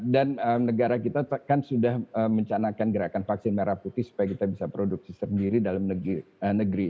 dan negara kita kan sudah mencanakan gerakan vaksin merah putih supaya kita bisa produksi sendiri dalam negeri